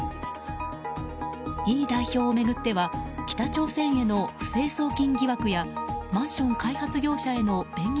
イ代表を巡っては北朝鮮への不正送金疑惑やマンション開発業者への便宜